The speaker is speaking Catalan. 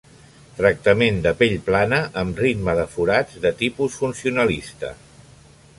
Tractament de pell plana amb ritme de forats de tipus funcionalista.